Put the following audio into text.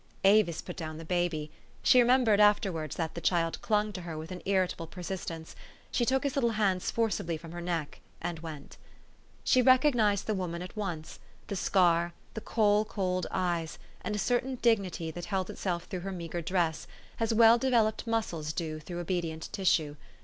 Avis put down the baby, she remembered after wards that the child clung to her with an irritable persistence, she took his little hands forcibly from her neck, and went. THE STORY OF AVIS. 295 She recognized the woman at once ; the scar, the coal cold eyes, and a certain dignity that held itself through her meagre dress, as well developed muscles do through obedient tissue.